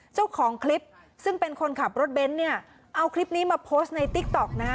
เจ้าของคลิปซึ่งเป็นคนขับรถเบนท์เนี่ยเอาคลิปนี้มาโพสต์ในติ๊กต๊อกนะฮะ